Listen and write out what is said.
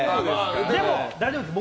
でも、大丈夫です。